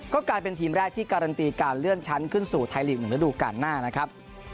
ก็กลายเป็นทีมแรกที่การันตีการเลื่อนชั้นขึ้นสู่ไทยลีก๑ฤดูการหน้านะครับ